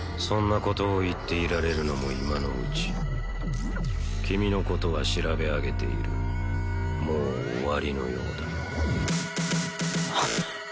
そんなことを言っていられるのも今のうち君のことは調べ上げているもう終わりのようだ